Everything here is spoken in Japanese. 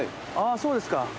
あぁそうですか。